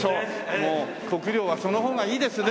もう国領はその方がいいですね。